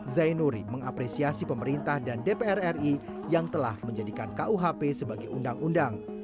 zainuri mengapresiasi pemerintah dan dpr ri yang telah menjadikan kuhp sebagai undang undang